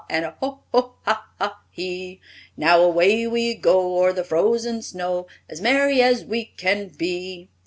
And a ho, ho, ha, ha, hee! Now away we go O'er the frozen snow, As merry as we can be!